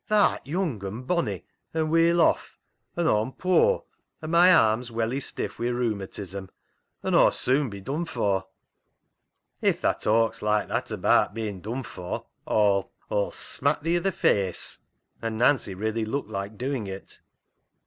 " Tha'rt young and bonny, an' weel off, and Aw'm poor, and my arm's welly stiff wi' rheuma tism, an' Aw's soon be dun for." "If tha talks like that abaat bein' dun for, Aw'll — Aw'U smack thi i' th' faace," and Nancy really looked like doing it.